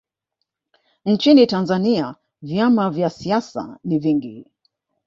nchini tanzania vyama vya siasa ni vingi